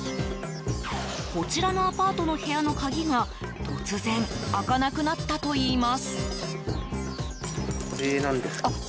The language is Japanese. こちらのアパートの部屋の鍵が突然開かなくなったといいます。